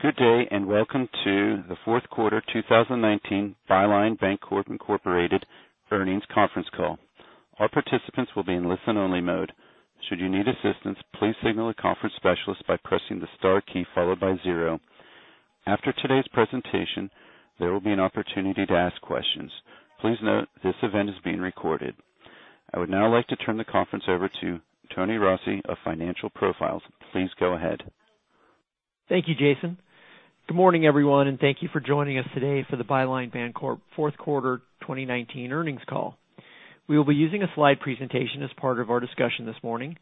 Good day, and welcome to Q4 2019 Byline Bancorp, Inc. earnings conference call. All participants will be in listen only mode. Should you need assistance, please signal a conference specialist by pressing the star key followed by 0. After today's presentation, there will be an opportunity to ask questions. Please note this event is being recorded. I would now like to turn the conference over to Tony Rossi of Financial Profiles, Inc. Please go ahead. Thank you, Jason. Good morning, everyone, and thank you for joining us today for the Byline Bancorp Q4 2019 earnings call. We will be using a slide presentation as part of our discussion this morning.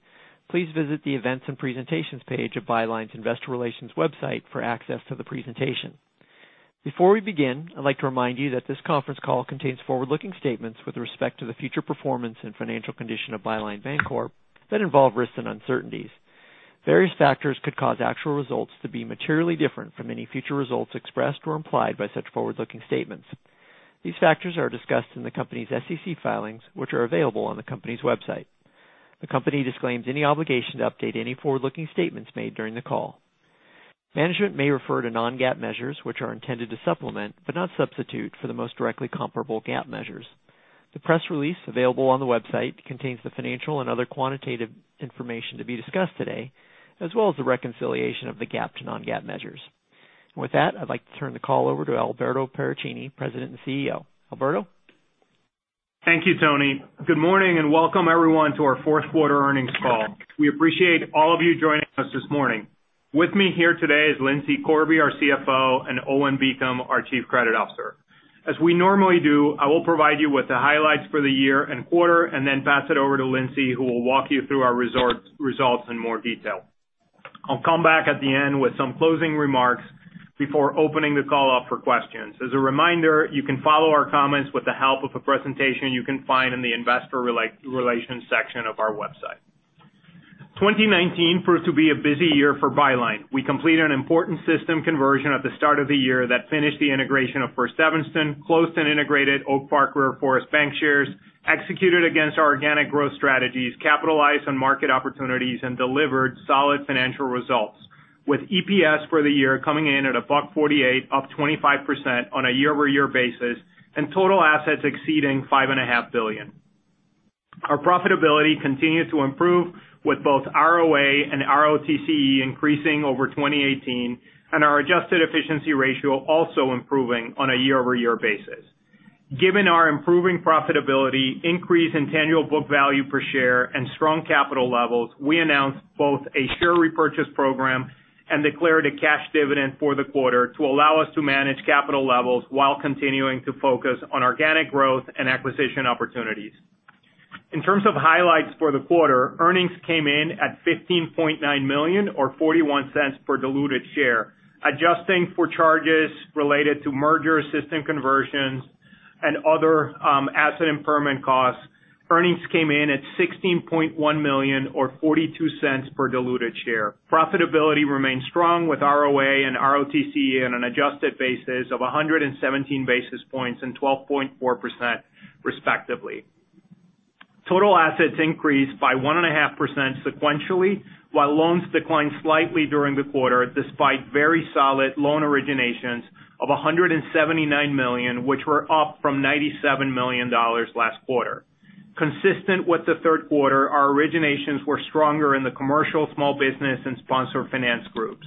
Please visit the Events and Presentations page of Byline's investor relations website for access to the presentation. Before we begin, I'd like to remind you that this conference call contains forward-looking statements with respect to the future performance and financial condition of Byline Bancorp that involve risks and uncertainties. Various factors could cause actual results to be materially different from any future results expressed or implied by such forward-looking statements. These factors are discussed in the company's SEC filings, which are available on the company's website. The company disclaims any obligation to update any forward-looking statements made during the call. Management may refer to non-GAAP measures, which are intended to supplement, but not substitute, for the most directly comparable GAAP measures. The press release available on the website contains the financial and other quantitative information to be discussed today, as well as the reconciliation of the GAAP to non-GAAP measures. With that, I'd like to turn the call over to Alberto Paracchini, President and CEO. Alberto? Thank you, Tony. Good morning and welcome everyone to our fourth quarter earnings call. We appreciate all of you joining us this morning. With me here today is Lindsay Corby, our CFO, and Owen Beacom, our Chief Credit Officer. As we normally do, I will provide you with the highlights for the year and quarter and then pass it over to Lindsay, who will walk you through our results in more detail. I'll come back at the end with some closing remarks before opening the call up for questions. As a reminder, you can follow our comments with the help of a presentation you can find in the investor relations section of our website. 2019 proved to be a busy year for Byline. We completed an important system conversion at the start of the year that finished the integration of First Evanston, closed and integrated Oak Park River Forest Bankshares, executed against our organic growth strategies, capitalized on market opportunities, and delivered solid financial results. With EPS for the year coming in at $1.48, up 25% on a year-over-year basis, and total assets exceeding $5.5 billion. Our profitability continues to improve with both ROA and ROTCE increasing over 2018, and our adjusted efficiency ratio also improving on a year-over-year basis. Given our improving profitability, increase in tangible book value per share, and strong capital levels, we announced both a share repurchase program and declared a cash dividend for the quarter to allow us to manage capital levels while continuing to focus on organic growth and acquisition opportunities. In terms of highlights for the quarter, earnings came in at $15.9 million, or $0.41 per diluted share. Adjusting for charges related to merger system conversions and other asset impairment costs, earnings came in at $16.1 million, or $0.42 per diluted share. Profitability remains strong with ROA and ROTCE on an adjusted basis of 117 basis points and 12.4%, respectively. Total assets increased by 1.5% sequentially, while loans declined slightly during the quarter, despite very solid loan originations of $179 million, which were up from $97 million last quarter. Consistent with the Q3, our originations were stronger in the commercial small business and sponsored finance groups.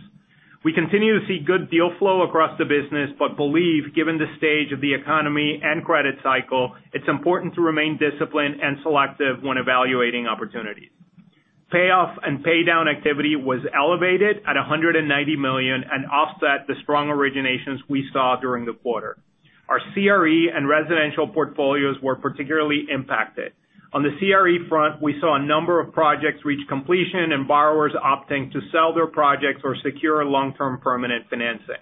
We continue to see good deal flow across the business, but believe, given the stage of the economy and credit cycle, it's important to remain disciplined and selective when evaluating opportunities. Payoff and paydown activity was elevated at $190 million and offset the strong originations we saw during the quarter. Our CRE and residential portfolios were particularly impacted. On the CRE front, we saw a number of projects reach completion and borrowers opting to sell their projects or secure long-term permanent financing.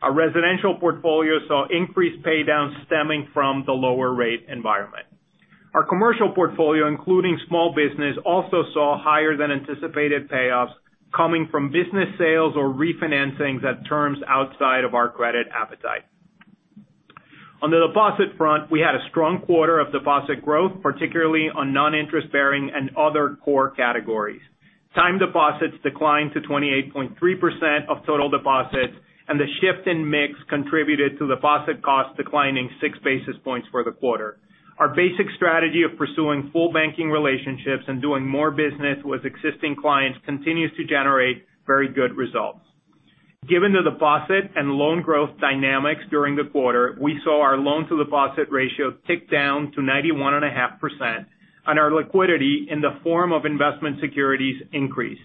Our residential portfolio saw increased paydowns stemming from the lower rate environment. Our commercial portfolio, including small business, also saw higher than anticipated payoffs coming from business sales or re-financings at terms outside of our credit appetite. On the deposit front, we had a strong quarter of deposit growth, particularly on non-interest bearing and other core categories. Time deposits declined to 28.3% of total deposits, and the shift in mix contributed to deposit costs declining six basis points for the quarter. Our basic strategy of pursuing full banking relationships and doing more business with existing clients continues to generate very good results. Given the deposit and loan growth dynamics during the quarter, we saw our loan to deposit ratio tick down to 91.5%, and our liquidity in the form of investment securities increase.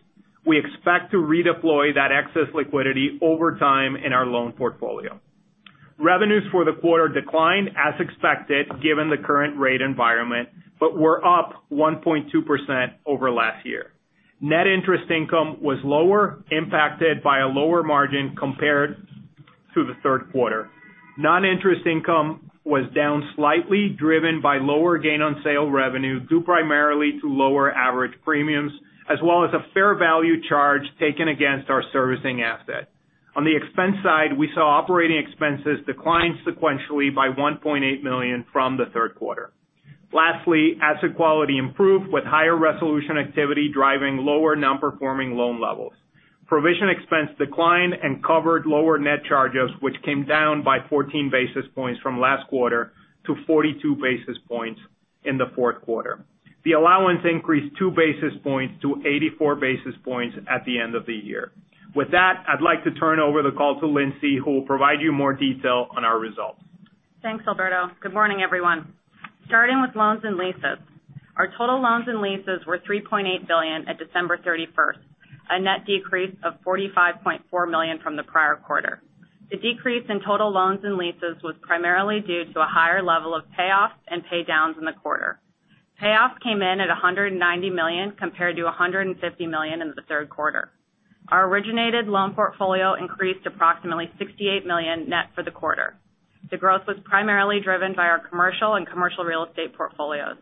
We expect to redeploy that excess liquidity over time in our loan portfolio. Revenues for the quarter declined as expected, given the current rate environment, but were up 1.2% over last year. Net interest income was lower, impacted by a lower margin compared to Q3. Non-interest income was down slightly, driven by lower gain on sale revenue, due primarily to lower average premiums, as well as a fair value charge taken against our servicing asset. On the expense side, we saw operating expenses decline sequentially by $1.8 million from the third quarter. Lastly, asset quality improved with higher resolution activity driving lower non-performing loan levels. Provision expense declined and covered lower net charges, which came down by 14 basis points from last quarter to 42 basis points in the fourth quarter. The allowance increased two basis points to 84 basis points at the end of the year. With that, I'd like to turn over the call to Lindsay, who will provide you more detail on our results. Thanks, Alberto. Good morning, everyone. Starting with loans and leases. Our total loans and leases were $3.8 billion at December 31st, a net decrease of $45.4 million from the prior quarter. The decrease in total loans and leases was primarily due to a higher level of payoffs and pay downs in the quarter. Payoffs came in at $190 million, compared to $150 million in the third quarter. Our originated loan portfolio increased approximately $68 million net for the quarter. The growth was primarily driven by our commercial and commercial real estate portfolios.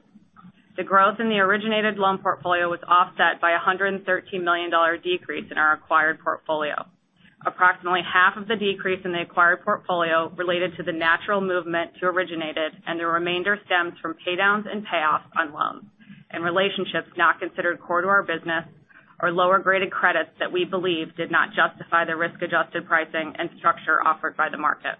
The growth in the originated loan portfolio was offset by $113 million decrease in our acquired portfolio. Approximately half of the decrease in the acquired portfolio related to the natural movement to originated, and the remainder stems from pay downs and payoffs on loans and relationships not considered core to our business or lower graded credits that we believe did not justify the risk-adjusted pricing and structure offered by the market.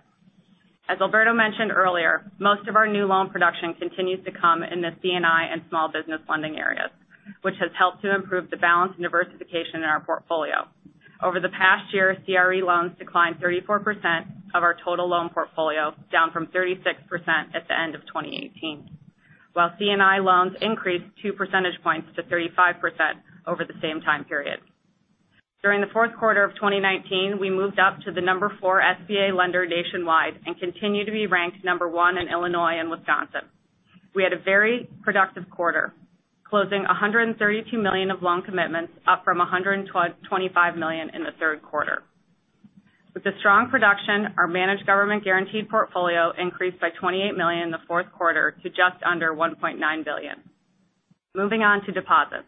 As Alberto mentioned earlier, most of our new loan production continues to come in the C&I and small business funding areas, which has helped to improve the balance and diversification in our portfolio. Over the past year, CRE loans declined 34% of our total loan portfolio, down from 36% at the end of 2018. While C&I loans increased two percentage points to 35% over the same time period. During the fourth quarter of 2019, we moved up to the number 4 SBA lender nationwide and continue to be ranked number one in Illinois and Wisconsin. We had a very productive quarter, closing $132 million of loan commitments, up from $125 million in the Q3. With the strong production, our managed government-guaranteed portfolio increased by $28 million in Q4 to just under $1.9 billion. Moving on to deposits.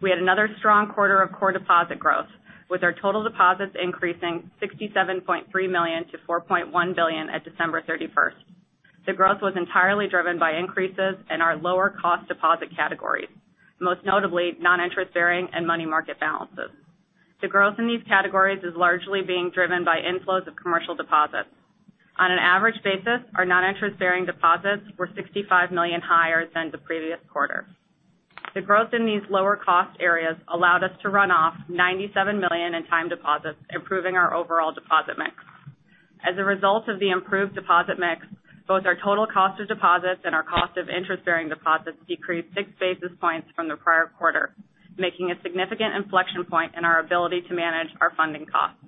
We had another strong quarter of core deposit growth, with our total deposits increasing $67.3 million - $4.1 billion at December 31st. The growth was entirely driven by increases in our lower cost deposit categories, most notably non-interest bearing and money market balances. The growth in these categories is largely being driven by inflows of commercial deposits. On an average basis, our non-interest-bearing deposits were $65 million higher than the previous quarter. The growth in these lower cost areas allowed us to run off $97 million in time deposits, improving our overall deposit mix. As a result of the improved deposit mix, both our total cost of deposits and our cost of interest-bearing deposits decreased six basis points from the prior quarter, making a significant inflection point in our ability to manage our funding costs.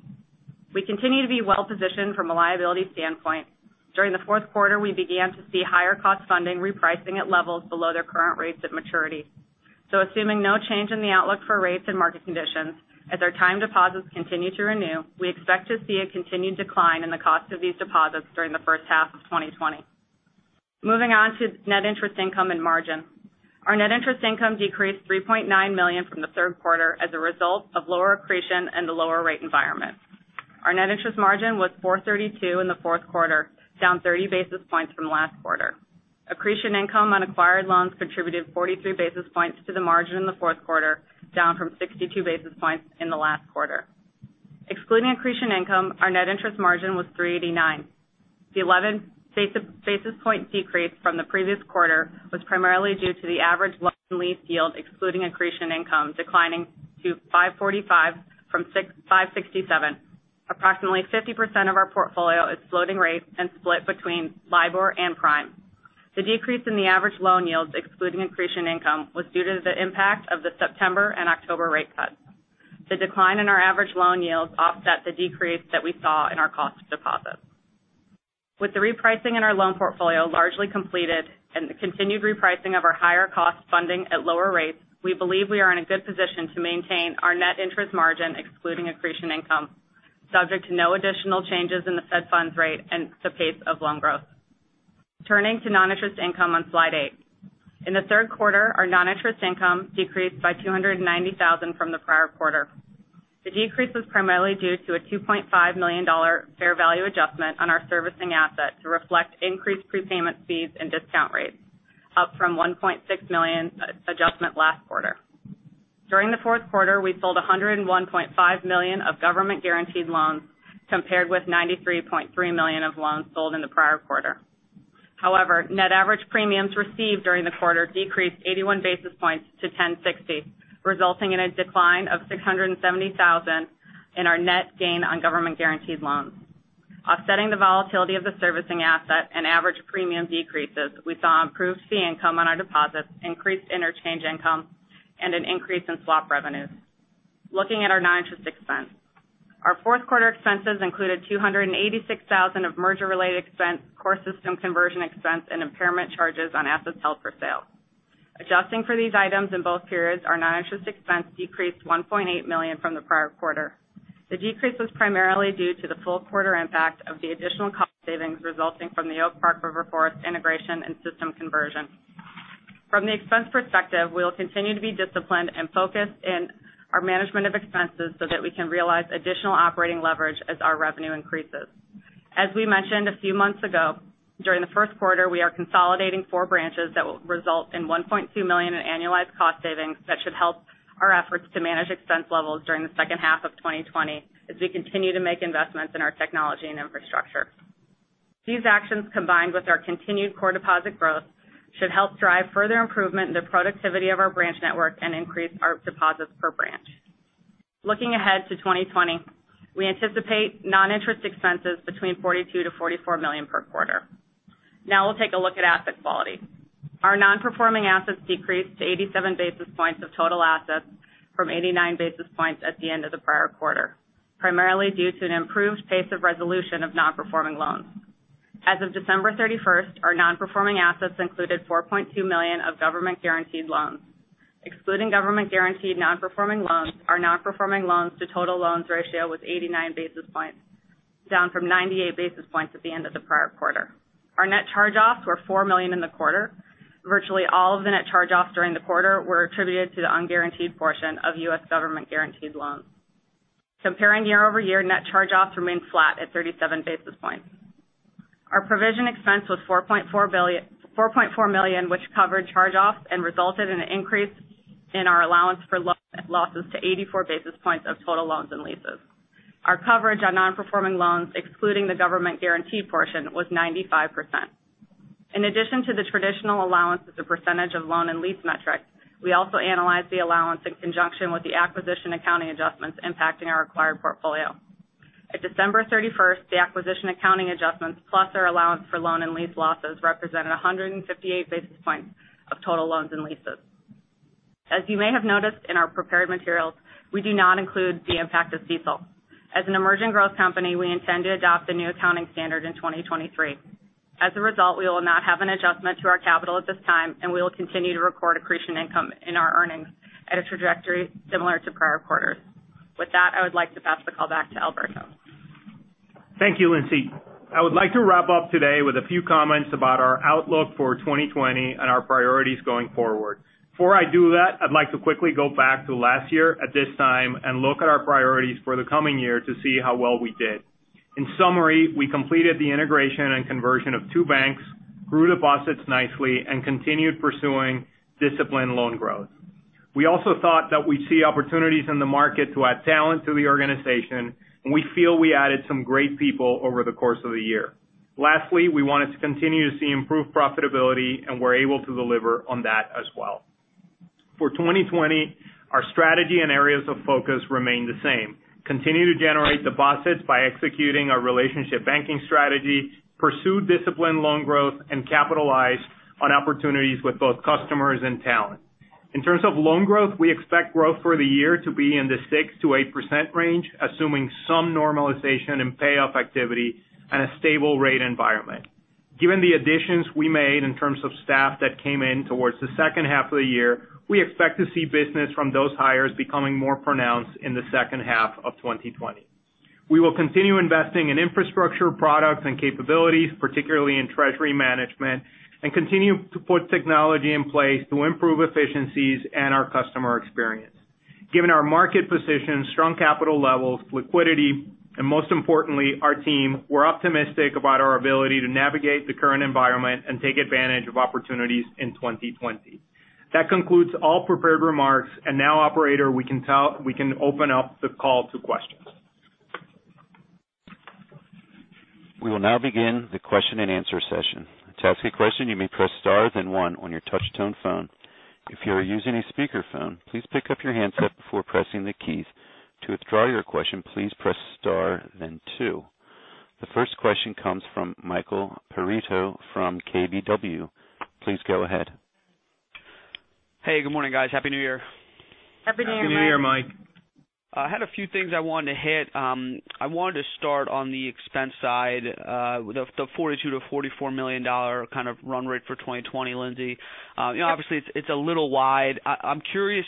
We continue to be well-positioned from a liability standpoint. During Q4, we began to see higher cost funding repricing at levels below their current rates at maturity. Assuming no change in the outlook for rates and market conditions, as our time deposits continue to renew, we expect to see a continued decline in the cost of these deposits during the first half of 2020. Moving on to net interest income and net interest margin. Our net interest income decreased $3.9 million from the third quarter as a result of lower accretion and the lower rate environment. Our net interest margin was 4.32% in Q4, down 30 basis points from last quarter. Accretion income on acquired loans contributed 43 basis points to the margin in Q4, down from 62 basis points in the last quarter. Excluding accretion income, our net interest margin was 3.89%. The 11 basis point decrease from the previous quarter was primarily due to the average loan lease yield excluding accretion income declining to 5.45% from 5.67%. Approximately 50% of our portfolio is floating rate and split between LIBOR and Prime. The decrease in the average loan yields excluding accretion income was due to the impact of the September and October rate cuts. The decline in our average loan yields offset the decrease that we saw in our cost of deposits. With the repricing in our loan portfolio largely completed and the continued repricing of our higher cost funding at lower rates, we believe we are in a good position to maintain our net interest margin excluding accretion income, subject to no additional changes in the fed funds rate and the pace of loan growth. Turning to non-interest income on slide eight. In Q3, our non-interest income decreased by $290,000 from the prior quarter. The decrease was primarily due to a $2.5 million fair value adjustment on our servicing asset to reflect increased prepayment fees and discount rates, up from $1.6 million adjustment last quarter. During the Q4, we sold $101.5 million of government-guaranteed loans, compared with $93.3 million of loans sold in the prior quarter. However, net average premiums received during the quarter decreased 81 basis points to 1,060, resulting in a decline of $670,000 in our net gain on government-guaranteed loans. Offsetting the volatility of the servicing asset and average premium decreases, we saw improved fee income on our deposits, increased interchange income, and an increase in swap revenues. Looking at our non-interest expense. Our Q4 expenses included $286,000 of merger-related expense, core system conversion expense, and impairment charges on assets held for sale. Adjusting for these items in both periods, our non-interest expense decreased $1.8 million from the prior quarter. The decrease was primarily due to the full quarter impact of the additional cost savings resulting from the Oak Park River Forest integration and system conversion. From the expense perspective, we will continue to be disciplined and focused in our management of expenses so that we can realize additional operating leverage as our revenue increases. As we mentioned a few months ago, during the Q1, we are consolidating four branches that will result in $1.2 million in annualized cost savings that should help our efforts to manage expense levels during H2 of 2020 as we continue to make investments in our technology and infrastructure. These actions, combined with our continued core deposit growth, should help drive further improvement in the productivity of our branch network and increase our deposits per branch. Looking ahead to 2020, we anticipate non-interest expenses between $42 million-$44 million per quarter. We'll take a look at asset quality. Our non-performing assets decreased to 87 basis points of total assets from 89 basis points at the end of the prior quarter, primarily due to an improved pace of resolution of non-performing loans. As of December 31st, our non-performing assets included $4.2 million of government-guaranteed loans. Excluding government-guaranteed non-performing loans, our non-performing loans to total loans ratio was 89 basis points, down from 98 basis points at the end of the prior quarter. Our net charge-offs were $4 million in the quarter. Virtually all of the net charge-offs during the quarter were attributed to the unguaranteed portion of U.S. government-guaranteed loans. Comparing year-over-year, net charge-offs remained flat at 37 basis points. Our provision expense was $4.4 million, which covered charge-offs and resulted in an increase in our allowance for loan losses to 84 basis points of total loans and leases. Our coverage on non-performing loans, excluding the government guarantee portion, was 95%. In addition to the traditional allowance as a percentage of loan and lease metrics, we also analyzed the allowance in conjunction with the acquisition accounting adjustments impacting our acquired portfolio. At December 31st, the acquisition accounting adjustments, plus our allowance for loan and lease losses, represented 158 basis points of total loans and leases. As you may have noticed in our prepared materials, we do not include the impact of CECL. As an emerging growth company, we intend to adopt the new accounting standard in 2023. As a result, we will not have an adjustment to our capital at this time, and we will continue to record accretion income in our earnings at a trajectory similar to prior quarters. With that, I would like to pass the call back to Alberto. Thank you, Lindsay. I would like to wrap up today with a few comments about our outlook for 2020 and our priorities going forward. Before I do that, I'd like to quickly go back to last year at this time and look at our priorities for the coming year to see how well we did. In summary, we completed the integration and conversion of two banks, grew deposits nicely, and continued pursuing disciplined loan growth. We also thought that we'd see opportunities in the market to add talent to the organization, and we feel we added some great people over the course of the year. Lastly, we wanted to continue to see improved profitability, and were able to deliver on that as well. For 2020, our strategy and areas of focus remain the same. Continue to generate deposits by executing our relationship banking strategy, pursue disciplined loan growth, and capitalize on opportunities with both customers and talent. In terms of loan growth, we expect growth for the year to be in the 6%-8% range, assuming some normalization in payoff activity and a stable rate environment. Given the additions we made in terms of staff that came in towards the second half of the year, we expect to see business from those hires becoming more pronounced in the H2 of 2020. We will continue investing in infrastructure products and capabilities, particularly in treasury management, and continue to put technology in place to improve efficiencies and our customer experience. Given our market position, strong capital levels, liquidity, and most importantly, our team, we're optimistic about our ability to navigate the current environment and take advantage of opportunities in 2020. That concludes all prepared remarks. Now operator, we can open up the call to questions. We will now begin the question-and-answer session. To ask a question, you may press star then one on your touch tone phone. If you are using a speakerphone, please pick up your handset before pressing the keys. To withdraw your question, please press star then two. The first question comes from Michael Perito from KBW. Please go ahead. Hey, good morning, guys. Happy New Year. Happy New Year, Mike. I had a few things I wanted to hit. I wanted to start on the expense side, the $42 million-$44 million kind of run rate for 2020, Lindsay. Obviously it's a little wide. I'm curious,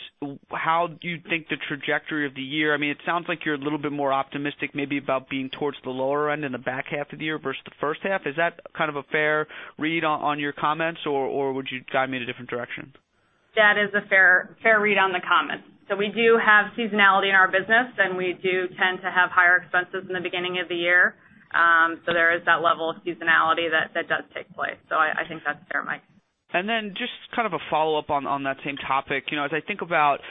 how do you think the trajectory of the year It sounds like you're a little bit more optimistic maybe about being towards the lower end in the back half of the year versus the first half. Is that kind of a fair read on your comments, or would you guide me in a different direction? That is a fair read on the comments. We do have seasonality in our business, and we do tend to have higher expenses in the beginning of the year. There is that level of seasonality that does take place. I think that's fair, Michael. Then just kind of a follow-up on that same topic. As I think about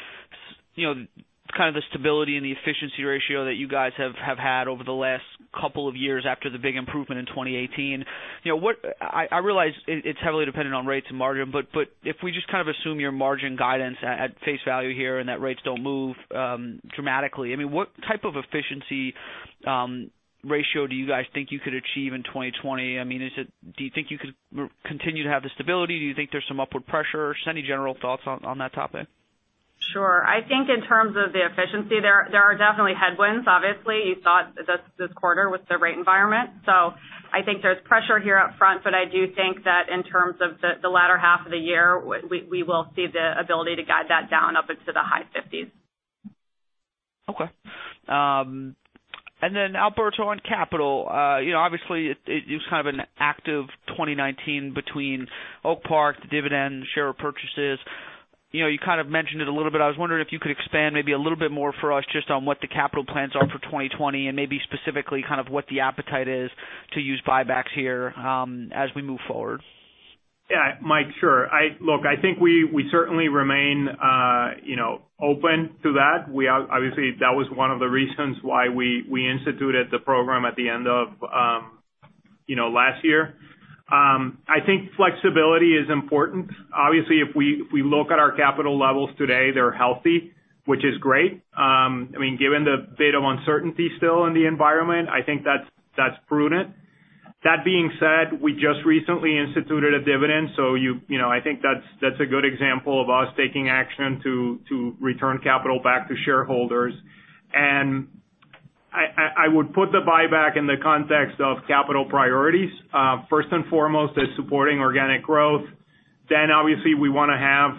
kind of the stability and the efficiency ratio that you guys have had over the last couple of years after the big improvement in 2018. I realize it's heavily dependent on rates and margin, if we just kind of assume your margin guidance at face value here and that rates don't move dramatically, what type of efficiency ratio do you guys think you could achieve in 2020? Do you think you could continue to have the stability? Do you think there's some upward pressure? Just any general thoughts on that topic. Sure. I think in terms of the efficiency there are definitely headwinds. Obviously, you saw it this quarter with the rate environment. I think there's pressure here up front, but I do think that in terms of the latter half of the year, we will see the ability to guide that down up into the high 50s. Okay. Alberto, on capital. Obviously it was kind of an active 2019 between Oak Park, the dividend, share purchases. You kind of mentioned it a little bit. I was wondering if you could expand maybe a little bit more for us just on what the capital plans are for 2020 and maybe specifically what the appetite is to use buybacks here as we move forward. Mike, sure. Look, I think we certainly remain open to that. That was one of the reasons why we instituted the program at the end of last year. I think flexibility is important. If we look at our capital levels today, they're healthy, which is great. Given the bit of uncertainty still in the environment, I think that's prudent. That being said, we just recently instituted a dividend. I think that's a good example of us taking action to return capital back to shareholders. I would put the buyback in the context of capital priorities. First and foremost is supporting organic growth. Obviously we want to have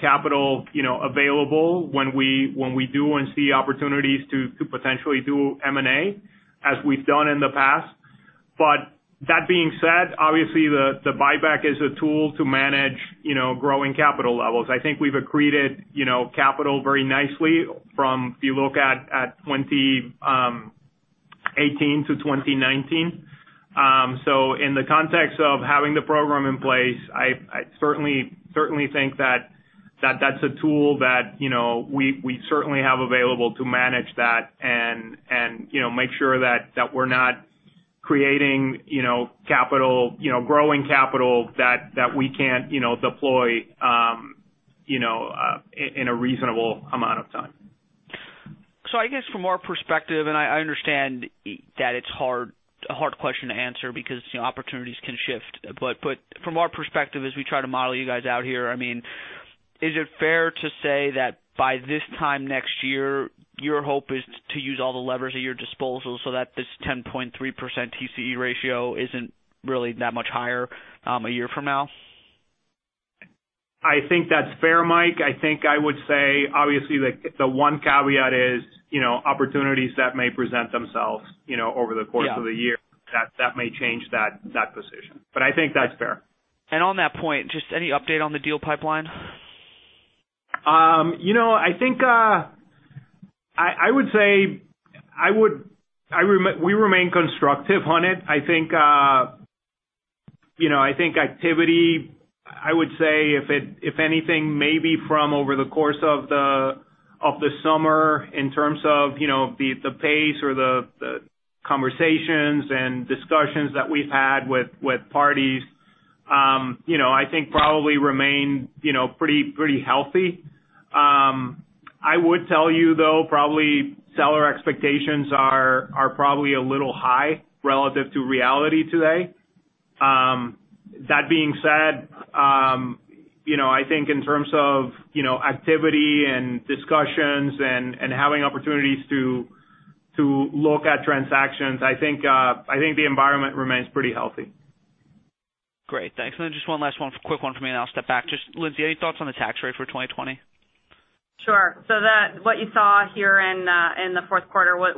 capital available when we do and see opportunities to potentially do M&A as we've done in the past. That being said, obviously the buyback is a tool to manage growing capital levels. I think we've accreted capital very nicely from if you look at 2018 - 2019. In the context of having the program in place, I certainly think that that's a tool that we certainly have available to manage that and make sure that we're not creating growing capital that we can't deploy in a reasonable amount of time. I guess from our perspective, and I understand that it's a hard question to answer because opportunities can shift. From our perspective, as we try to model you guys out here, is it fair to say that by this time next year, your hope is to use all the levers at your disposal so that this 10.3% TCE ratio isn't really that much higher a year from now? I think that's fair, Mike. I think I would say obviously the one caveat is opportunities that may present themselves over the course of the year. Yeah. That may change that position. I think that's fair. On that point, just any update on the deal pipeline? I would say we remain constructive on it. I think activity, I would say if anything, maybe from over the course of the summer in terms of the pace or the conversations and discussions that we've had with parties, I think probably remain pretty healthy. I would tell you though, probably seller expectations are probably a little high relative to reality today. That being said, I think in terms of activity and discussions and having opportunities to look at transactions, I think the environment remains pretty healthy. Great. Thanks. Just one last one, quick one from me and I'll step back. Just Lindsay, any thoughts on the tax rate for 2020? Sure. What you saw here in Q4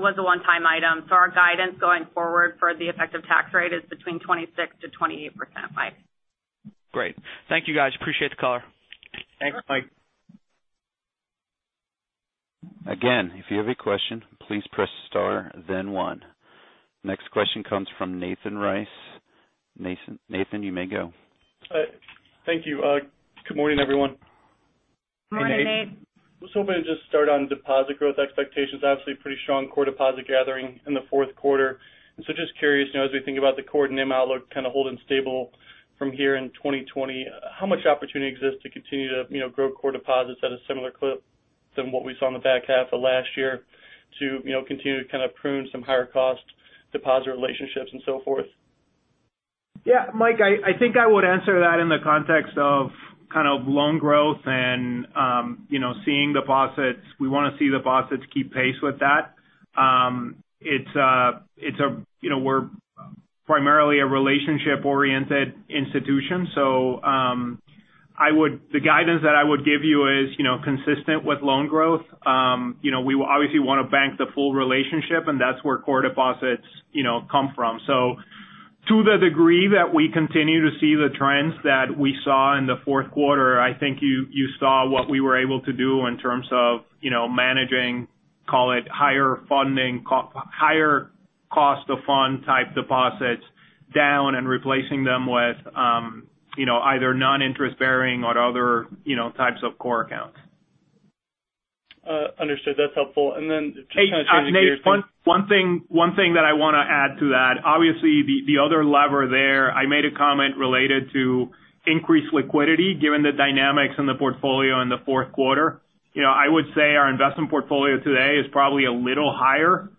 was a one-time item. Our guidance going forward for the effective tax rate is between 26%-28%, Mike. Great. Thank you guys. Appreciate the call. Thanks, Mike. Again, if you have a question, please press star, then one. Next question comes from Nathan Race. Nathan, you may go. Thank you. Good morning, everyone. Morning, Nathan. I was hoping to just start on deposit growth expectations. Obviously pretty strong core deposit gathering in Q4. Just curious, as we think about the core NIM outlook kind of holding stable from here in 2020, how much opportunity exists to continue to grow core deposits at a similar clip than what we saw in the back half of last year to continue to kind of prune some higher cost deposit relationships and so forth? Yeah. Mike, I think I would answer that in the context of loan growth and seeing deposits. We want to see deposits keep pace with that. We're primarily a relationship-oriented institution. The guidance that I would give you is consistent with loan growth. We obviously want to bank the full relationship and that's where core deposits come from. To the degree that we continue to see the trends that we saw in the Q4, I think you saw what we were able to do in terms of managing, call it higher funding, higher cost of fund type deposits down and replacing them with either non-interest bearing or other types of core accounts. Understood. That's helpful. Just kind of changing gears. Nathan, one thing that I want to add to that. Obviously the other lever there, I made a comment related to increased liquidity given the dynamics in the portfolio in Q4. I would say our investment portfolio today is probably a little higher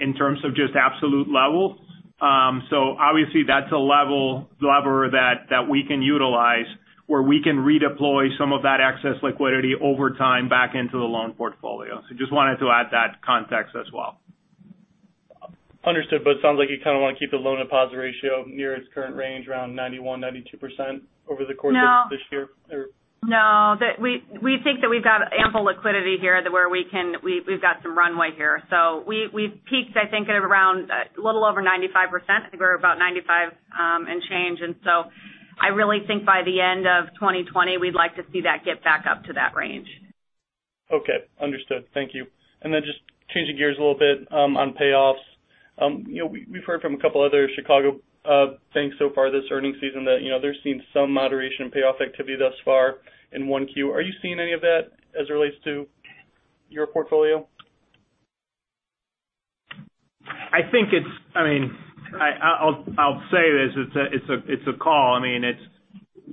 in terms of just absolute level. Obviously that's a lever that we can utilize where we can redeploy some of that excess liquidity over time back into the loan portfolio. Just wanted to add that context as well. Understood. It sounds like you kind of want to keep the loan deposit ratio near its current range around 91%-92% over the course of this year? No. We think that we've got ample liquidity here where we've got some runway here. We've peaked I think at around a little over 95%. I think we're about 95% and change. I really think by the end of 2020, we'd like to see that get back up to that range. Okay. Understood. Thank you. Then just changing gears a little bit on payoffs. We've heard from a couple other Chicago banks so far this earnings season that they're seeing some moderation in payoff activity thus far in 1Q. Are you seeing any of that as it relates to your portfolio? I'll say this, it's a call.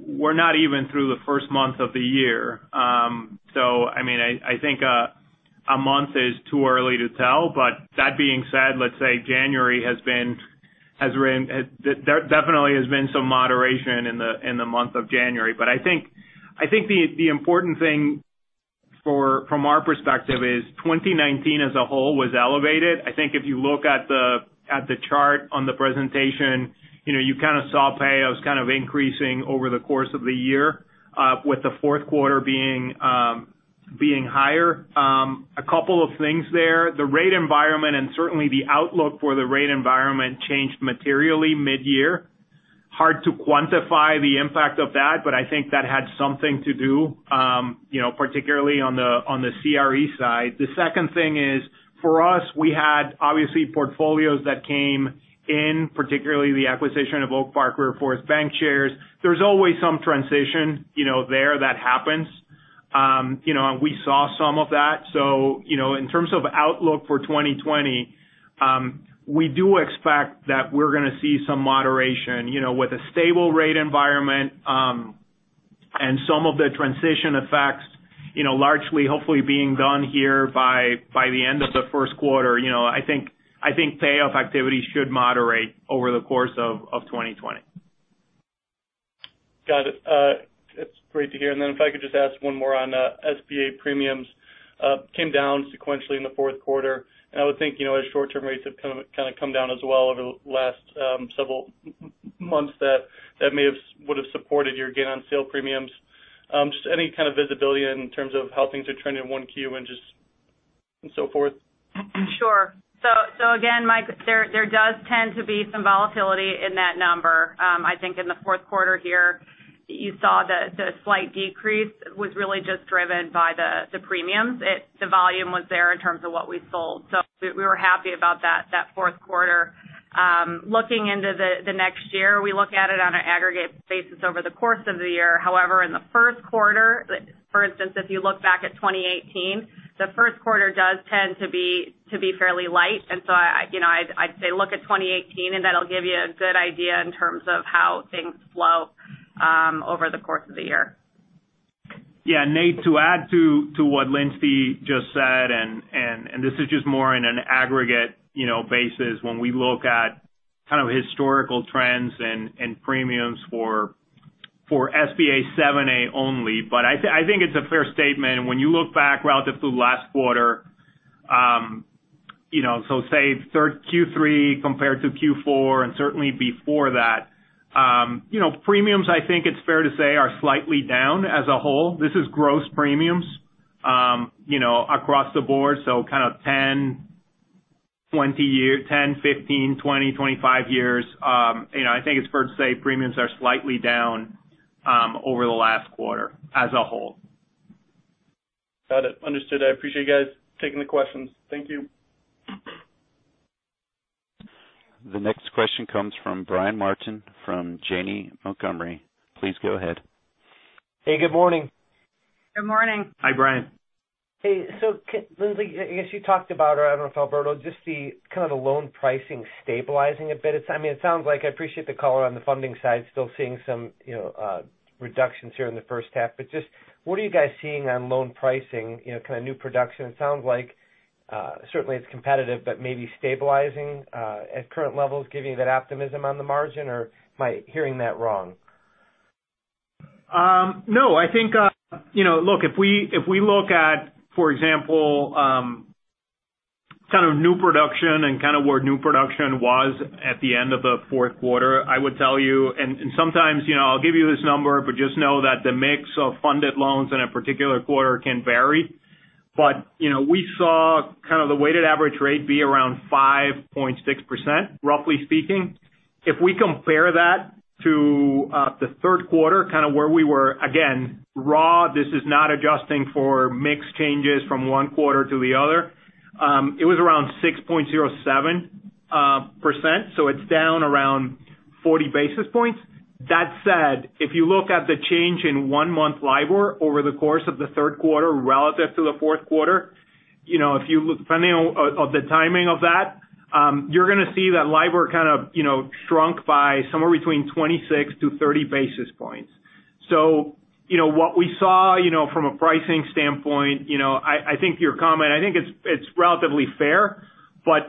We're not even through the first month of the year. I think a month is too early to tell. That being said, let's say January, there definitely has been some moderation in the month of January. I think the important thing from our perspective is 2019 as a whole was elevated. I think if you look at the chart on the presentation, you kind of saw payoffs kind of increasing over the course of the year, with the fourth quarter being higher. A couple of things there. The rate environment and certainly the outlook for the rate environment changed materially mid-year. Hard to quantify the impact of that, but I think that had something to do particularly on the CRE side. The second thing is, for us, we had, obviously, portfolios that came in, particularly the acquisition of Oak Park River Forest Bankshares. There's always some transition there that happens. We saw some of that. In terms of outlook for 2020, we do expect that we're going to see some moderation. With a stable rate environment and some of the transition effects largely hopefully being done here by the end of the first quarter, I think payoff activity should moderate over the course of 2020. Got it. That's great to hear. If I could just ask one more on SBA premiums. Came down sequentially in the 4th quarter. I would think as short-term rates have kind of come down as well over the last several months, that may would have supported your gain on sale premiums. Any kind of visibility in terms of how things are trending in 1Q and so forth? Sure. Again, Mike, there does tend to be some volatility in that number. I think in Q4 here, you saw the slight decrease was really just driven by the premiums. The volume was there in terms of what we sold. We were happy about that Q4. Looking into the next year, we look at it on an aggregate basis over the course of the year. However, in Q1, for instance, if you look back at 2018, the Q1 does tend to be fairly light. I'd say look at 2018, and that'll give you a good idea in terms of how things flow over the course of the year. Nathan Race, to add to what Lindsay just said, this is just more in an aggregate basis when we look at kind of historical trends and premiums for SBA 7 only. I think it's a fair statement when you look back relative to last quarter, so say Q3 compared to Q4 and certainly before that. Premiums, I think it's fair to say, are slightly down as a whole. This is gross premiums across the board. Kind of 10, 15, 20, 25 years. I think it's fair to say premiums are slightly down over the last quarter as a whole. Got it. Understood. I appreciate you guys taking the questions. Thank you. The next question comes from Brian Martin from Janney Montgomery. Please go ahead. Hey, good morning. Good morning. Hi, Brian. Hey. Lindsay, I guess you talked about, or I don't know if Alberto, just the kind of the loan pricing stabilizing a bit. I appreciate the color on the funding side, still seeing some reductions here in H1. Just what are you guys seeing on loan pricing, kind of new production? It sounds like certainly it's competitive, but maybe stabilizing at current levels, giving you that optimism on the margin, or am I hearing that wrong? Look, if we look at, for example, kind of new production and kind of where new production was at the end of Q4, I would tell you sometimes I'll give you this number, just know that the mix of funded loans in a particular quarter can vary. We saw kind of the weighted average rate be around 5.6%, roughly speaking. If we compare that to Q3, kind of where we were, again, raw, this is not adjusting for mix changes from one quarter to the other. It was around 6.07%, it's down around 40 basis points. That said, if you look at the change in one-month LIBOR over the course of the third quarter relative to the fourth quarter, depending on the timing of that, you're going to see that LIBOR kind of shrunk by somewhere between 26 to 30 basis points. What we saw from a pricing standpoint, I think your comment, I think it's relatively fair.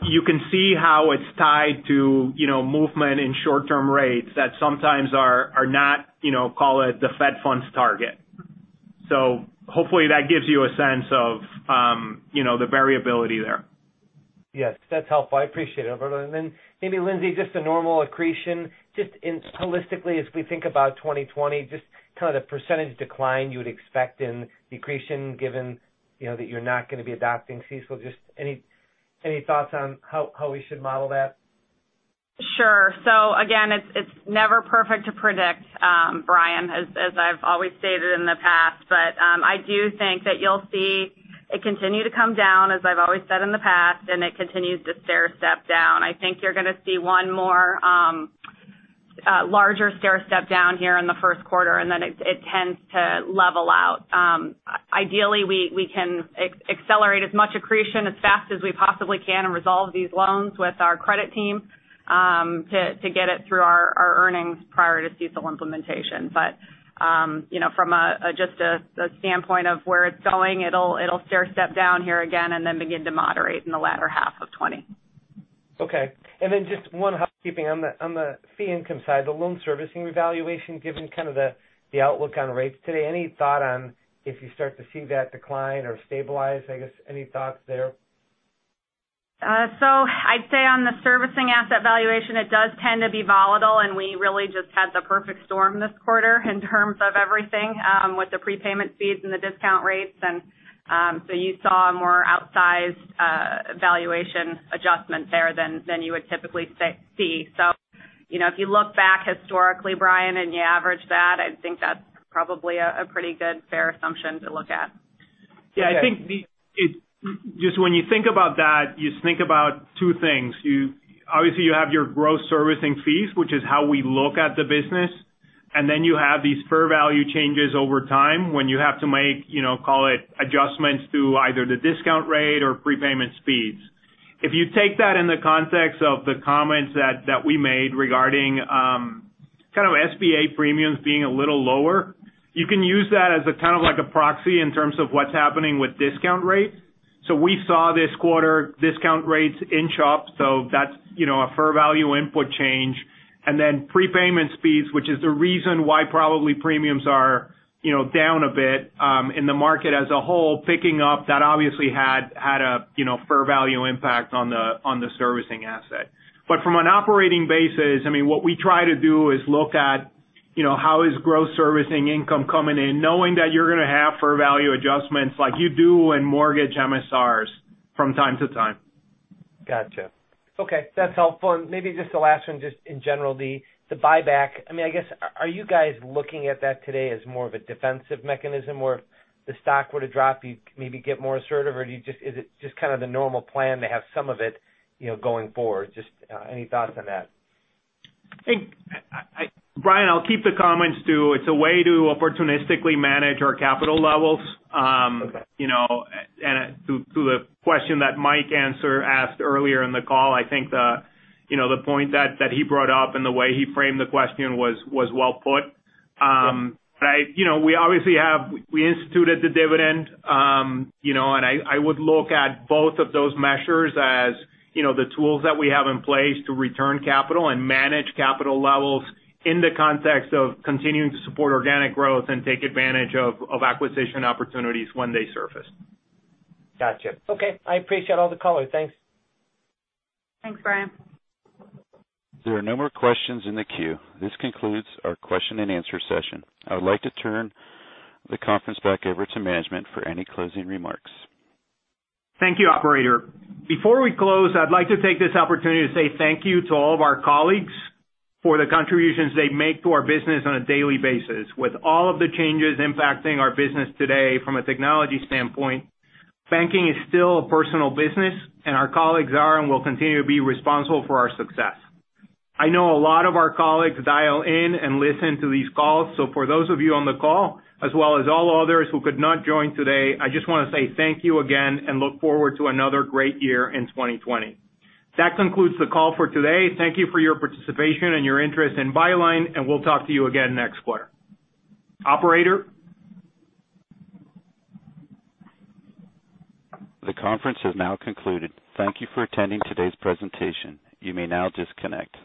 You can see how it's tied to movement in short-term rates that sometimes are not, call it the Fed funds target. Hopefully that gives you a sense of the variability there. Yes. That's helpful. I appreciate it. Then maybe Lindsay, just the normal accretion, just holistically as we think about 2020, just kind of the % decline you would expect in accretion given that you're not going to be adopting CECL. Just any thoughts on how we should model that? Sure. Again, it's never perfect to predict, Brian, as I've always stated in the past. I do think that you'll see it continue to come down, as I've always said in the past, and it continues to stairstep down. I think you're going to see one more larger stairstep down here in the first quarter, and then it tends to level out. Ideally, we can accelerate as much accretion as fast as we possibly can and resolve these loans with our credit team to get it through our earnings prior to CECL implementation. From just a standpoint of where it's going, it'll stairstep down here again, and then begin to moderate in the latter half of 2020. Okay. Just one housekeeping on the fee income side, the loan servicing evaluation, given kind of the outlook on rates today, any thought on if you start to see that decline or stabilize? I guess, any thoughts there? I'd say on the servicing asset valuation, it does tend to be volatile, and we really just had the perfect storm this quarter in terms of everything with the prepayment speeds and the discount rates. You saw a more outsized valuation adjustment there than you would typically see. If you look back historically, Brian, and you average that, I think that's probably a pretty good fair assumption to look at. Okay. I think just when you think about that, you think about two things. Obviously, you have your gross servicing fees, which is how we look at the business, and then you have these fair value changes over time when you have to make, call it, adjustments to either the discount rate or prepayment speeds. If you take that in the context of the comments that we made regarding kind of SBA premiums being a little lower, you can use that as a kind of like a proxy in terms of what's happening with discount rates. We saw this quarter discount rates inch up, so that's a fair value input change. Prepayment speeds, which is the reason why probably premiums are down a bit in the market as a whole, picking up. That obviously had a fair value impact on the servicing asset. From an operating basis, what we try to do is look at how is gross servicing income coming in, knowing that you're going to have fair value adjustments like you do in mortgage MSRs from time to time. Got you. Okay, that's helpful. Maybe just the last one, just in general, the buyback, I guess, are you guys looking at that today as more of a defensive mechanism where if the stock were to drop, you'd maybe get more assertive? Is it just kind of the normal plan to have some of it going forward? Just any thoughts on that? I think, Brian, I'll keep the comments to it's a way to opportunistically manage our capital levels. Okay. To the question that Mike asked earlier in the call, I think the point that he brought up and the way he framed the question was well put. Sure. We obviously have instituted the dividend. I would look at both of those measures as the tools that we have in place to return capital and manage capital levels in the context of continuing to support organic growth and take advantage of acquisition opportunities when they surface. Got you. Okay. I appreciate all the color. Thanks. Thanks, Brian. There are no more questions in the queue. This concludes our question-and-answer session. I would like to turn the conference back over to management for any closing remarks. Thank you, operator. Before we close, I'd like to take this opportunity to say thank you to all of our colleagues for the contributions they make to our business on a daily basis. With all of the changes impacting our business today from a technology standpoint, banking is still a personal business, and our colleagues are and will continue to be responsible for our success. I know a lot of our colleagues dial in and listen to these calls. For those of you on the call as well as all others who could not join today, I just want to say thank you again and look forward to another great year in 2020. That concludes the call for today. Thank you for your participation and your interest in Byline, and we'll talk to you again next quarter. Operator? The conference has now concluded. Thank you for attending today's presentation. You may now disconnect.